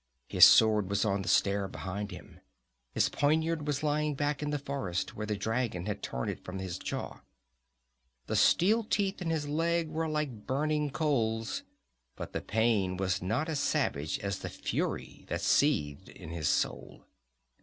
His sword was on the stair behind him. His poniard was lying back in the forest, where the dragon had torn it from his jaw. The steel teeth in his leg were like burning coals, but the pain was not as savage as the fury that seethed in his soul.